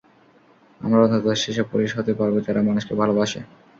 আমরা অন্তত সেইসব পুলিশ হতে পারব যারা মানুষকে ভালোবাসে।